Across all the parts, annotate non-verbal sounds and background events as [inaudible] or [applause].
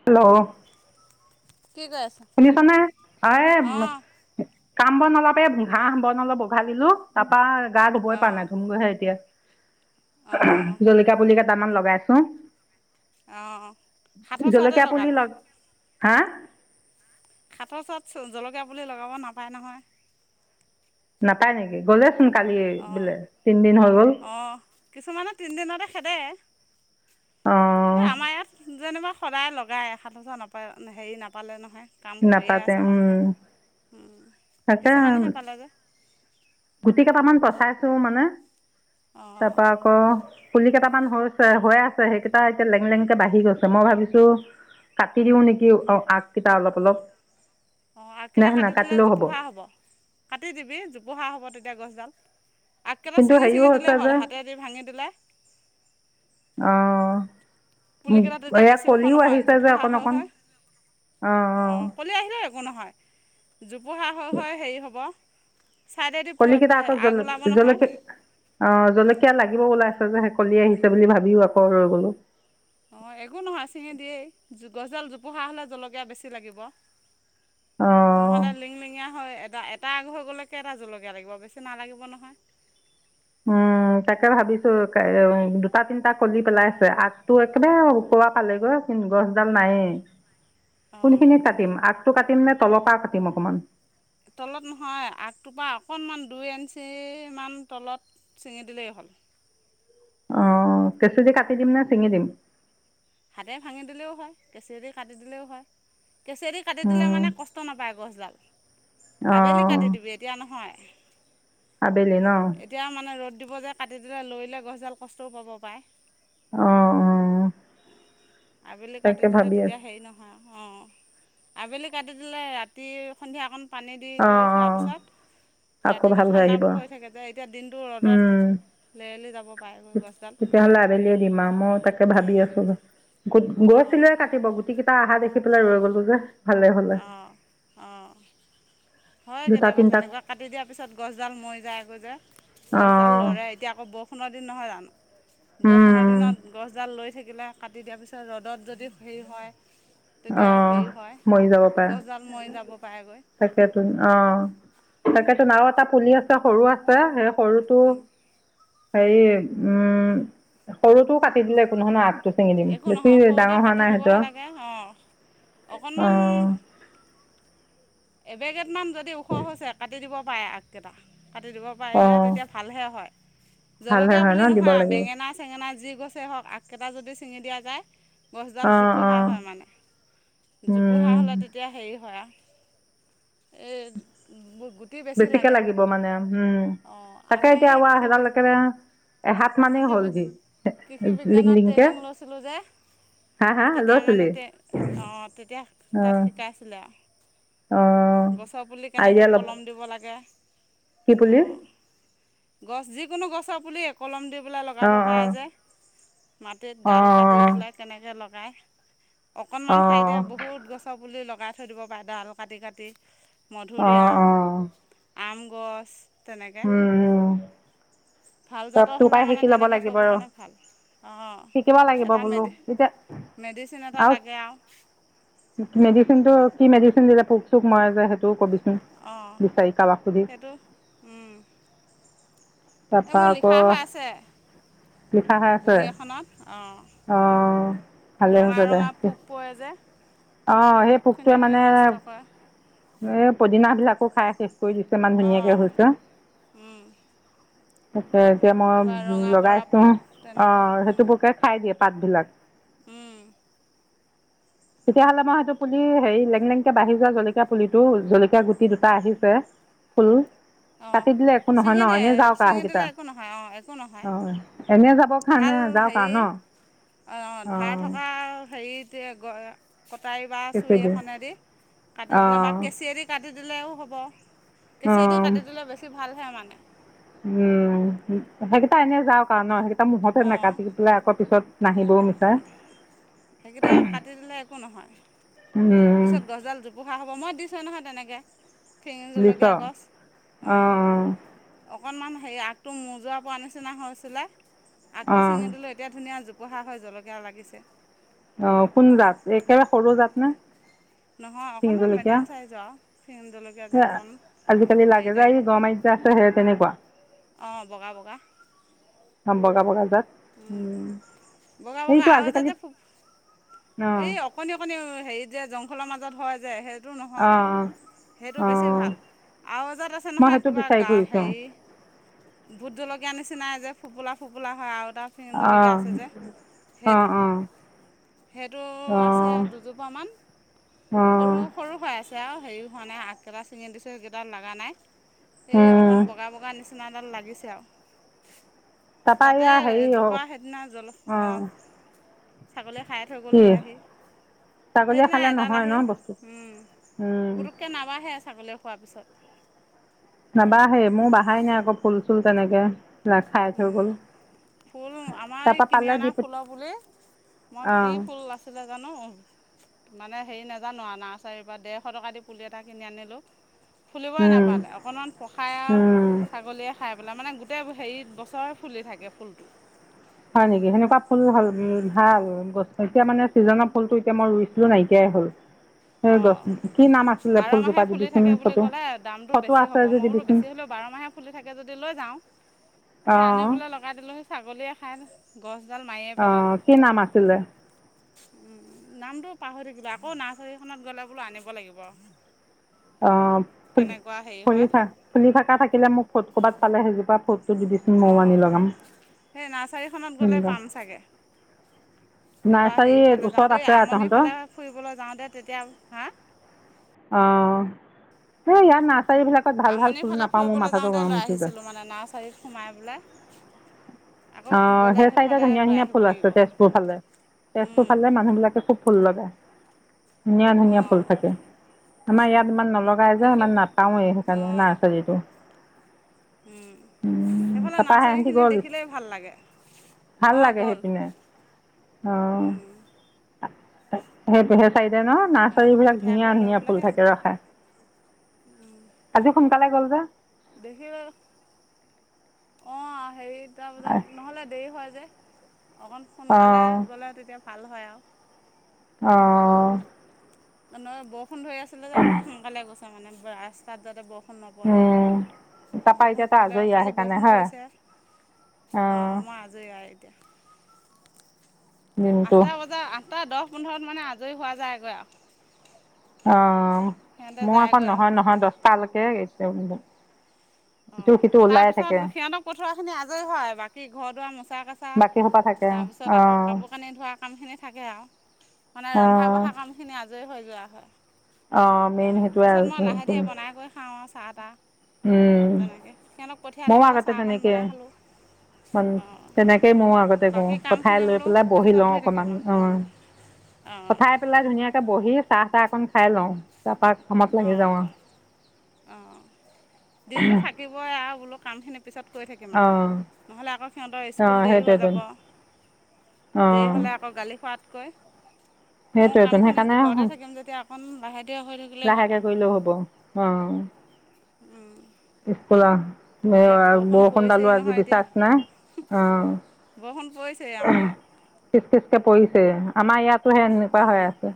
Hello কি কৰি আছা? শুনিছ নে অ অঁ কাম বন নলাব এই ঘাঁহ বন অলপ উঘালিলো তাৰপা গা ধুবই পৰা অঁ নাই ধুম গৈহে এতিয়া। অঁ জলকীয়া পুলি কেতামান লগাইছো। অঁ সাতৰ চৰতে জলকীয়া পুলি লগালি লগ, হা। খাতৰ চাত জলকীয়া পুলি লগাব নাপায় নহয়। নাপায় নেকি গ'লেচোন কালি অঁ বোলে তিনদিন হৈ গল। অঁ কিছুমানে তিনিদিনতে খেদে অ এই আমাৰ ইয়াত যেনিবা সদায় লগাই এ সাত হেজাৰ নাপায় হেৰি নাপালে নহয়। কাম কৰিয়ে নাপাতে আছে উম মানুহে তাকে কিছুমানহে পালেগৈ। গুটি কেইটামান পচাইছো মানে তাৰ অঁ পৰা আকৌ পুলি কেইটা হৈছে হৈ আছে সেইকেইটা এতিয়া লেঙ লেঙকে বাঢ়ি গৈছে মই ভাবিছো কাটি দিও নেকি অ' আগ কেইটা অলপ- অলপ। অ' আগ নাই কেইটা কাটি দিলে নাকাটিলেও জোপোহা হ'ব কাটি দিবি জোপোহা হ'ব তে এতিয়া গছডাল আগকেইটা কিন্তু চিঙি হেৰিও চিঙি হৈছে দিলেই হ'ল হাতেদি ভাঙি দিলে। পুলিকেইটা অ' তেতিয়া এয়া বেছি ওখ কলিও নহয় আহিছে যে জোপোহা হৈ অকণ-অকণ। হৈ অ অ। অঁ কলি আহিলেও একো নহয় জোপোহা হৈ হৈ হেৰি হব। ছাইডেদি কলিকেইটা আকৌ আগ ওলাব জ নহয় জলকীয়া অ'জলকীয়া লাগিব ওলাইছ যে চলি আহিছে বুলি ভাবিও আকৌ ৰৈ গ'লো। অঁ একো নহয় ছিঙি দিয়েই গছডাল জোপোহা হ'লে জলকীয়া বেছি লাগিব। অঁ নহ'লে লিং লিংগীয়া হয় এটা এ এটা আগ হৈ গ'লে কেটা জলকীয়া লাগিব বেছি নালাগিব নহয়। উম তাকে ভাবিছো দুটা তিনিটা কলি পেলাইছে আগটো একেবাৰে। পোৱা পালেগৈ গছডাল নাইয়ে। অঁ কোনখিনি কাটিম আগটো কাটিম নে তলপা কাটিম অকমান। তলত নহয় আগটোৰ পৰা অকণমান দুই এঞ্চিমান তলত চিঙি দিলেই হ'ল। [inaudible] অ' কেঁচি দি কাটি দিম নে চিঙি দিম। হাতে ভাঙি দিলেও হয় কেঁচিয়েদি কাটি দিলেও হয়। কেঁচিয়েদি কাটি দিলে মানে কষ্ট নাপায় গছডাল। আবেলি অঁ কাটি দিবি এতিয়া নহয়। আবেলি নহ। এতিয়া মানে ৰ'দ দিব যে কাটি দে লৈলে গছডাল কষ্টও পাব পাৰে। অ'- অ'। আবেলি কাটি তাকে দিলে ভাবি তেতিয়া আছো হেৰি নহয় আৰু। অ' আবেলি কাটি দিলে ৰাতি সন্ধিয়াকণ পানী দি অ অ কৰি থোৱাৰ পিছত। আকৌ ৰাতিটো ভাল ঠাণ্ডা আহিব হৈ থাকে যে এতিয়া দিনটো উম ৰ'দত লেৰেলি যাব পাৰেগৈ গছডাল তেতিয়াহ'লে আবেলিয়ে দিম আৰু মই তাকে ভাবি আছো। অঁ গৈছিলেয়ে কাটিব গুটি কেইটা আহা দেখি পেলাই ৰৈ গ'লো যে। ভালে- ভালে। অঁ অঁ হয় কেতিয়াবা তেনেকুৱা কাটি দিয়া পিছত গছডাল মৰি যায় গৈ যে। অ গছডাল লৰে এতিয়া আকৌ বৰষুণৰ দিন নহয় জানো। বৰষুণৰ উম দিনত গছডাল লৈ থাকিলে কাটি দিয়াৰ পিছত ৰ'দত যদি হেৰি হয়। অ তেতিয়া হেৰি মৰি যাব পাৰে হয় গছডাল মৰি যাব পাৰেগৈ। তাকেতো অ' তাকেতো আও এটা পুলি আছে সৰু আছে সেই সৰুটো হে উম সৰুটো কাটি দিলে কোনো ধৰৰ আগ। একো নহয় সৰুতে কাটি দিবহে লাগে অঁ অকণমান। অ', [inaudible] এবেগেটমান যদি ওখ হৈছে কাটি দিব পাৰে আগ কেইটা। কাটি দিব পাৰিলে অ', তেতিয়া ভালহে হয় ভাল জলকীয়া হয় হয় ন বুলি দিব নহয় আৰু লাগিব বেঙেনা চেঙেনা যি গছেই হওঁক, আগকেইটা যদি ছিঙি দিয়া যায় গছডাল অ', জোপোহা অ', হয় মানে, জোপোহা উম, হ'লে তেতিয়া হেৰি হয় আৰু এই গু বেছিকে লাগিব মানে উম অঁ তাকে আমি এতিয়া এই কৃষি বি [unintelligible] এহাত মানেই কৃষি হ'ল বি যে লিংলিংকে। ছিলোঁ যে তেতিয়া মানে তে অ তেতিয়া তাত অ', শিকাইছিলে আৰু অ', গছৰ পুলি আইডিয়া কেনেকে ল'ব কলম দিব লাগে। কি পুলি অঁ গছ, যিকোনো গছৰ পুলিয়ে কলম দি পেলে লগাব অ', পাৰে অ', যে, মাটিত ডাল অ', [unintelligible] তেনেকে লগাই। অকণমান ঠাইতে অ', বহুত গছৰ পুলি লগ লগাই থৈ দিব পাৰে। ডাল কাটি-কাটি অ', মধুৰিআম, অ', আম গছ তেনেকে উম, ভাল ত জাতৰ তোৰ হ'লে পৰাই মানে, শিকি ল'ব তেনেকৈ লাগিব ৰ কৰিবৰ কাৰণে ভাল। অ শিকিব লাগিব এটা বোলো মেড এতিয়া মেডিচিন এটা লাগে আৰু মেডিচিন টো কি মেডিচিন দিলে পোক চোক মৰা যায়? সেইটোও কবিছো অ সেইটো উম এই তাৰপা মোৰ আকৌ লিখা হৈ আছে। লিখা হৈ আছে। বহী অহ ৰঙা-ৰঙা পোক পৰে যে অ সেই পোকটোৱে পোকখিনি মানে, নষ্ট কৰে এই পদিনা বিলাকো খাই‌ কৰি দিছে, ইমান ধুনীয়াকৈ অঁ হৈছে। উম, এতিয়া কিবা ৰঙা মই পৰা লগাইছো। পোক অ তেনেকুৱা সেইটো উম, পোকে খাই দিয়ে পাত বিলাক উম। তেতিয়াহ'লে মই সেটো পুলি, হেৰি লেং লেংকে বাঢ়ি যোৱা জলকীয়া পুলিটো জলকীয়া গুটি দুটা আহিছে। উম। অ'। কাটি দিলে একো নহয় ন? ছিঙি দে এনেই যাওঁক আৰু ছিঙি সেই দিলে কেইটা। একো নহয় অ' একো নহয় অ এনেই যাব ভাল হেৰি, ধাৰ অঁ থকা হেৰিতে অ কটাৰী বা চুৰি সেইটোৱেতো এখনে দি কাটি দিলে বা অঁ কেঁচিয়ে দি কাটি কাটি দিলেও হ'ব, কেঁচিয়ে দি কাটি দিলে বেছি ভালহে মানে উম সেইকেইটা এনেই যাওঁক আৰু ন সেইকেইটা মোহতে অঁ। নাকাটি পেলাই আকৌ পিছত নাহিব ও মিছা সেইকেইটা কাটি দিলে একো নহয়, পিছত গছডাল জোপোহা হ'ব, মই দিছোঁ নহয় তেনেকে। দিছ অ অ। অকণমান হেৰি আগটো মৰ যোৱা পৰা নিচিনা হৈছিলে, আগটো অঁ চিঙি দিলোঁ এতিয়া ধুনীয়া জো বুঢ়া হৈ জলকীয়াও লাগিছে। অ কোন জাত? একেবাৰে সৰু জাত নে? নহয় শিঙি অকণমান জলকীয়া মিডিয়াম চাইজৰ আৰু ফিম জলকীয়া এ যে অকণ আজিকালি হেৰি লাগে যায় এই গৰমাৰিত আছে যে তেনেকুৱা। অ বগা বগা। বগা বগাজাত। উ বগা বগা সেইটো আৰু এটা আজিকালি যে অঁ এই অকণি-অকণি, হেৰিত যে, জংঘলৰ মাজত হয় যে, স অহ অ। সেইটো বেছি ভাল আৰু এজাত আছে মই নহয়? সেইটো কিবা বিচাৰি গা ফুৰিছোঁ হেৰি ভোত জলকীয়া নিচিনাই যে ফোপোলা-ফোপোলা হয় আৰু অ', [unintelligible] অ', আছে যে সেইটো অ', সেইটো আছে অ', দুজোপামান, অ', সৰু-সৰু হৈ আছে আৰু হেৰি হোৱা নাই আগ কেইটা চিঙি দিছো সেইকেইটা লগা নাই। এই উম, অকণ বগা-বগা নিচিনা নিচিনাডাল লাগিছে আৰু তাৰপা তাতে এইয়া হেৰি অ', এজোপা সেইদিনা, জল অ ছাগলীয়ে খাই থৈ কি গ'লহি আহি। ছাগলীয়ে সেইদিনা খালে এডাল নহয় ন আহি বস্তু উম, উম, পুতুককে নাবাহে ছাগলী খোৱাৰ পিছত নাবাহে মোৰ নষ্ট বাহাই নাই আকৌ ফুল চুল তেনেকে খাই থৈ গ'ল। ফুল আমাৰ এই তাৰপা কিনি পালে অনা দি পঠ ফুলৰ পুলি মই কি অ', ফুল আছিলে জানো মানে হেৰি নাজানো আৰু নাৰ্চাৰীৰ পৰা ডেৰশ টকা দি পুলি এটা কিনি আনিলোঁ। ফুলিবই উম, নাপালে অকণমান পসাই আৰু উম, ছাগলীয়ে খাই পেলাই মানে গোটেই হেৰি বছৰে ফুলি থাকে ফুলটো হয় নেকি সেনেকুৱা ফুল ভাল উম, ভাল গছ এতিয়া মানে ছিজনৰ ফুলটো এতিয়া মই ৰুইছিলো নাইকিয়াই হ'ল সেই অঁ গছ কি নাম আছিলে বাৰ মাহে ফুলজোপা ফুলি থাকে দিবিচোন বুলি ফটো ক'লে - ফটো আছে যে দিবিচোন। বাৰমাহে ফুলি থে যদি লৈ যাও। আনি অ'। পেলাই লগাই দিলেও ছাগলীয়ে খাই মাৰিয়ে অহ, পেলালে কি নাম আছিলে? নামটো পাহৰি থাকিব আকৌ নাৰ্চাৰীখনত গ'লে বোলো আনিব লাগিব। অ, শু কেনেকুৱা হেৰি শুনি হয় থাক - শুনি থকা থাকিলে মোক ফোত ক'বাত পালে সেইজোপা ফুত অ, সেই নাৰ্চাৰীখনত গ'লে তেনেকুৱা পাম চাগে। এইবাৰ নাৰ্চাৰী হেৰিফালে ওচৰত যাওতে আছে আৰু আমনিৰ তহঁতৰ ফালে ফুৰিবলৈ যাওতে তেতিয়া হা আহঁ আমনি ফালে নাপাওঁ মোৰ ফুৰিবলৈ মাথাটো যাওঁতে গৰম লৈ উঠি যায় আহিছিলো মানে নাৰ্চাৰীত সোমাই বোলে অ, সেই চাইদ ধুনীয়া লৈ ধুনীয়া আহিব ফুল লাগিব আছে তেজপুৰ ফালে। তেজপুৰ ফালে মানুহবিলাকে খুব ভুল লগাই ধুনীয়া - ধুনীয়া ফুল অঁ থাকে আমাৰ ইয়াত ইমান নলগাই যায় দেখি ইমান নাপাওৱেই সেইকাৰণে নাৰ্চাৰীটো উম, সেইফালে তাৰপৰা সেহেঁতি নাৰ্চাৰীখিনিত গ'ল দেখিলে। ভাল লাগে সেইপিনে আহ। সেইটো সেই চাই ন নাৰ্চাৰী সিহঁতক বিলাক পঠিয়াই ধুনীয়া কৰি লৈ ধুনীয়া পেলাই ফুল সেই থাকে ৰখা আজিোন [unintelligible] কাতা গল যে [unintelligible] দেখিলো অ, হেৰি তাৰপিজাত নহ'লে দেৰি হয়। যে অকণ অ সোনকালে গ'লে তেতিয়া ভাল হয় আৰু। অহ ', নহয় বৰষুণ ধৰি আছিলে যে অকণ সোনকালে গৈছে মানে ৰাস্তাত যাতে বৰষুণ বৰষুণ উম নপৰে তাৰপা এতিয়া বৰষুণ তই পৰিলে আজৰি আহ কালি সেইকাৰণে বৰষুণ হয় পৰিছে অ, মই আজৰি আৰু এতিয়া। দিনটো আঠটা বজাত আঠটা দহ পোন্ধৰত মানে আজৰি হোৱা যায়গৈ আৰু অ, সিহঁতে মোৰ আকৌ যায়গৈ আৰু নহয় - নহয় দহটালৈকে এ অঁ তাৰপিছত সিহঁতক পঠোৱাখিনি আজৰি হয় বাকী ঘৰ দুৱাৰ মোচা কেঁচা বাকী সোপা থাকে তাৰপিছত অ আকৌ কাপোৰ কানি ধোৱা কামখিনি থাকে আৰু মানে অ ৰন্ধা বঢ়া কামখিনি আৰু। জৰি হৈ যোৱা হয় অ মেইন সিহত সেইটোৱে আৰু পিছত মই লাহে ধীৰে বনাই কৰি খাও আৰু চাহ তাহ। উম তেনেকে সিহঁতক পঠিয়াই লৈ ময়ো পেলাই আগতে চাহ অকণ তেনেকে বনাই খালোঁ অঁ তেনেকেই ময়ো আগতে কৰো বাকী পঠাই কামখিনি লৈ বোলো পেলাই বহি পিছত লও ধুই অকমান থাকিম আৰু অ, অঁ অঁ পঠাই পেলাই ধুনীয়াকে বহি চাহ চাহ অকন খাই লওঁ তাৰাপৰা কামত লাগি যাওঁ অঁ আৰু দিনতটো থাকিবই আৰু বোলো কাম খিনি। পিছত কৈ থাকিম আৰু অঁ নহ'লে আকৌ সিহঁতৰ স্কুল অঁ দেৰি হৈ সেইটোৱেইটোন যাব অঁ দেৰি হ'লে আকৌ গালি খোৱাত কয় মোৰ সেইটোৱেইটোন কামখিনি সেইকাৰণে দীঘৰতে থাকিম যেতিয়া অকণ বাহিৰ দিয় হৈ থাকিলেই হ'ল। লাহেকে আৰু কৰিলেও হব অ স্কুল এই বৰষুণ পৰিছেই দালো আজি নহয় এতিয়া বিশ্বাস নাই অ পইচে আমাৰ ইয়াত। পৰিছে আমাৰ ইয়াতো সে এনেকুৱা হৈ আছে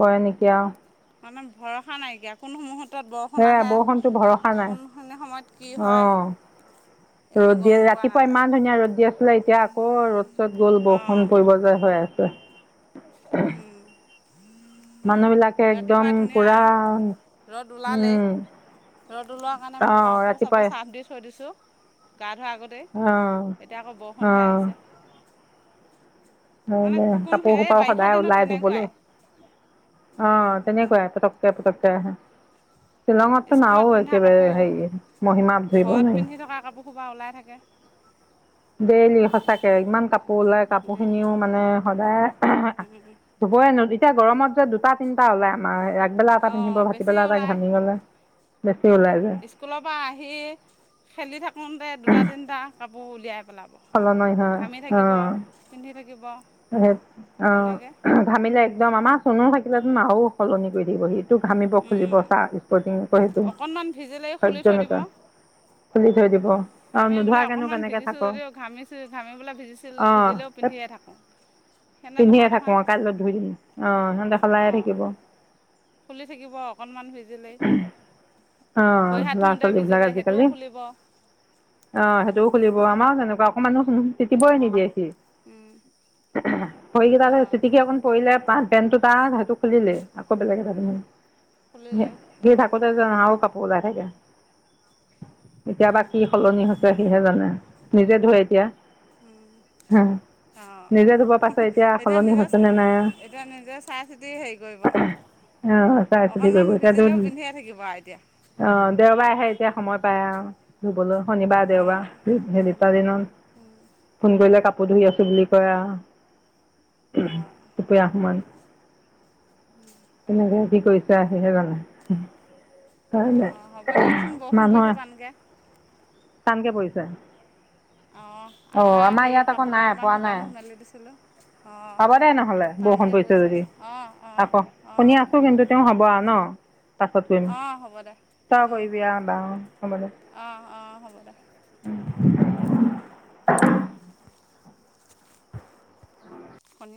ক নেকি আৰু। মানে ভৰসা নাইকিয়া কোনোসমূহত ত বৰষুণ সেয়াই আহে বৰষুণতো ভৰসা নাই কোনখিনি সময়ত কি হয় অঁ একো ৰ'দ দি গম পোৱা ৰাতিপুৱা নাযায় ইমান ধুনীয়া ৰ'দ দি আছিলে এতিয়া আকৌ ৰ'দ চদ গ'ল বৰষুণ পৰিবলৈ হৈ আছে। অ' উম। মানুহ বিলাকে একদম ধুনীয়া পুৰা ৰ'দ ওলালেই উম। ৰ'দ ওলোৱা কাৰণে মই কাপোৰ চাপোৰ চাহফ দি থৈ দিছো। গা ধোৱাৰ আগতেই অঁ এতিয়া আকৌ বৰষুণহে আহিছে ন মানে নাই কোন কাপোৰ এই সোপা বাৰিষা সদায় দিনত ওলাই ধুবলৈ তেনেকুৱাই অহ তেনেকুৱাই পতকক পটকক আহে শ্বিলঙততো স্কুলত নাও পিন্ধা একেবাৰে কাপোৰ হেৰি মহিমাত ধুৰিব ঘৰত নোৱাৰি। [inaudible] পিন্ধি থকা কাপোৰ সোপা ওলাই থাকে ডেইলি সঁচাকে ইমান কাপোৰ ওলয় কাপোৰ খিনিও মানে সদায়। ধুবই এতিয়া গৰমত যে দুটা তিনিটা উলাই আমাৰ। ভাটবেলা এটা অঁ পিন্ধিব বেছি ভাটতিবেলা এটা ওলায় ঘামি গ'লে। বেছি ওলাই যায় স্কুলৰ পৰা আহি খেলি থাক শুনতে দুটা তিনিটা কাপোৰ উলিয়াই পেলাব সলনি হয় ঘামি থাকিব অঁ পিন্ধি থাকিব। অ তেনেকৈ ভামিলে একদম আমাৰ চনু থাকিল তো আৰু সলনি কৰি দিব সি। ঘামিব খুলিব চাহ স্পৰ্টিংক সেইটো অকণমান ভিজিলেই খুলি সহ্য থৈ দিব নকা খ থৈ দিব। অ আমি বোলে নোধোৱাকেনো অকনমান কেনেকে ভিজিছো থাক অ যদিও ঘামিছো ঘামি বোলে ভিজিছিল ভিজিলেও পিন্ধিয়ে থাকোঁ সেনে পিন্ধিয়ে নহয় থাকো নহয় কাইলৈত ধুই দিম আহ সিহঁতে সলায়য়ে অঁ থাকিব। খুলি থাকিব অকণমান সিজিলেই অহ লৰা ছোৱালীবিলাক সেইটোও আজিকালি খুলিব অঁ অ সেইটোও খুলিব আমাৰো তেনেকুৱা অকমানুহ তিতিবৈ নিদিয়ে সি ভৰি কেইটা চিটিকি অকণ পৰিলে পান। পেন্টো তাৰটো খুলিলে আকৌ বেলেগ এ থাক খুলিলে সি অঁ থাকোতে যে আৰু ওলাই থাকে কেতিয়াবা কি সলনি হৈছে সিহে জানে নিজে ধৰে এতিয়া হ অ', এতিয়া নিজে নে নাই এতিয়া নিজে চাই চিতি হেৰি কৰিব। চাই চিতি কৰিব অকনমান এতিয়াতো ভিজিলেও পিন্ধিয়ে থাকিব এতিয়া। অ' দেওবাৰে আহে এতিয়া সময় পায় আৰু ধুবলৈ শনিবাৰ দেওবাৰ অঁ হে দুটাাৰ দিনত ফোন কৰিলে কাপোৰ ধুই আছো বুলি। অঁ [unintelligible] তেনেকে কি কৰিছে আহিহে জানো হয় ন অঁ হ'ব দেচোন বৰষুণ পৰিছে মানুহৰ টানকৈ কটানকে পৰিছে। অ অঁ আধা আমাৰ হেৰি ইয়াত আকৌ কাপোৰ নাই কেইটামান পৰা নাই শুকান মেলি দিছিলো অ হ'ব দে নহ'লে বৰষুণ তটানগৈ পৰিছে পইচা যদি অ অ আকৌ অ শুনি আছোঁ কিন্তু তেওঁ হ'ব আৰু ন পাছত কৰিম অ 'হ'ব দে তই কৰিবি আহা হ'বলৈ অঁ অঁ হ'ব দে উ। [inaudible]